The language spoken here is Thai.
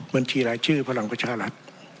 บรรทีหลายชื่อภรรณประชาหรัฐ